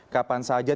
kapan saja tidak boleh